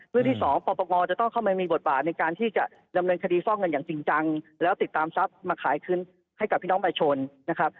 เรื่องที่สองปรปกรจะต้องเข้ามามีบทบาทในการที่จะดำเนินคดีฟอกเงินอย่างจริงจังแล้วติดตามทรัพย์มาขายคืนให้กับพี่น้องประชาชนนะครับ